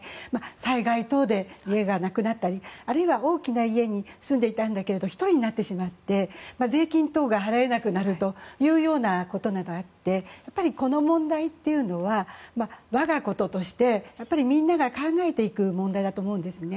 災害等で家がなくなったりあるいは大きな家に住んでいたんだけど１人になってしまって、税金等が払えなくなることがあってやっぱり、この問題というのは我がこととしてみんなが考えていく問題だと思うんですね。